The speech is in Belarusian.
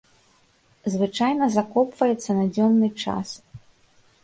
Звычайна закопваецца на дзённы час.